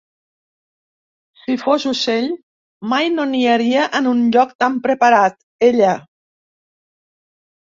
Si fos ocell, mai no niaria en un lloc tan preparat, ella.